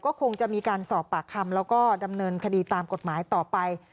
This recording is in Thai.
ก็คงจะมีการสอบปากคำแล้วก็ดำเนินคดีตามกฎหมายต่อไป